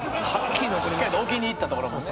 しっかりと置きに行ったところもね。